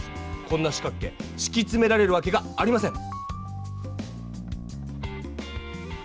こんな四角形しきつめられるわけがありません。